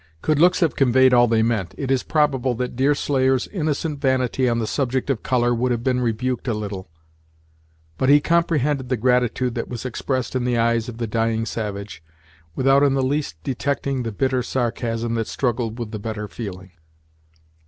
Could looks have conveyed all they meant, it is probable Deerslayer's innocent vanity on the subject of color would have been rebuked a little; but he comprehended the gratitude that was expressed in the eyes of the dying savage, without in the least detecting the bitter sarcasm that struggled with the better feeling.